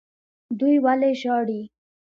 دوی ولې ژاړي.